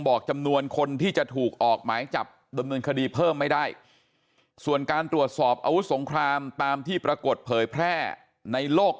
บอกจำนวนคนที่จะถูกออกหมายจับดำเนินคดีเพิ่มไม่ได้ส่วนการตรวจสอบอาวุธสงครามตามที่ปรากฏเผยแพร่ในโลก